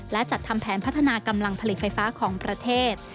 และจัดทำแผนพัฒนากำลังผลิตไฟฟ้าของประเทศ